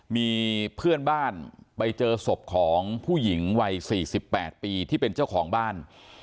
มีเพื่อนบ้านไปเจอศพของผู้หญิงวัย๔๘ปีที่เป็นเจ้าของบ้าน